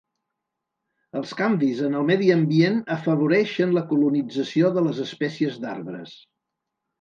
Els canvis en el medi ambient afavoreixen la colonització de les espècies d'arbres.